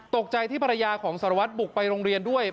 ตกใจที่ภรรยาของสารวัตรบุกไปโรงเรียนด้วย